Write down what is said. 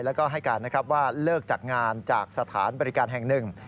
แล้วก็ให้การนะครับว่าเลิกจากงานจากสถานบริการแห่งหนึ่ง